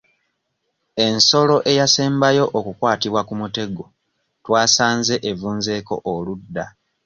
Ensolo eyasembayo okukwattibwa ku mutego twasanze evunzeeko oludda.